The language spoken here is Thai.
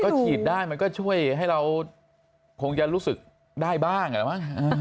ฉีดได้มันก็ช่วยให้เราคงจะรู้สึกได้บ้าง